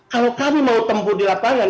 kalau kami mau tempuh di lapangan